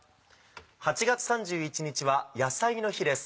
８月３１日は野菜の日です。